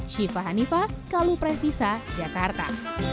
syifa hanifah kalu presisa jakarta